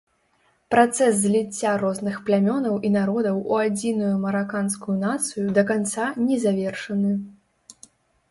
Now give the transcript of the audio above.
Працэс зліцця розных плямёнаў і народаў у адзіную мараканскую нацыю да канца не завершаны.